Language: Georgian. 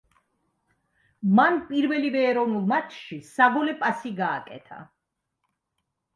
მან პირველივე ეროვნულ მატჩში საგოლე პასი გააკეთა.